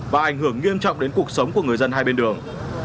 và ảnh hưởng nghiêm trọng đến cuộc sống của người dân hai bên đường